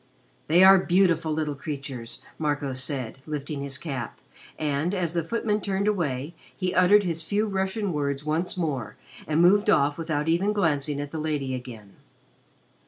"They are beautiful little creatures," Marco said, lifting his cap, and, as the footman turned away, he uttered his few Russian words once more and moved off without even glancing at the lady again.